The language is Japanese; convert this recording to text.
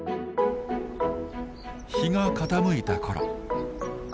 日が傾いた頃。